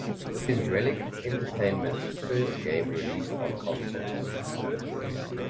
It is Relic Entertainment's first game released on consoles.